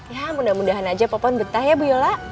ya mudah mudahan aja pepon betah ya bu yola